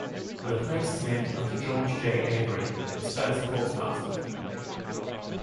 The place is named after George J. Avery, its first postmaster.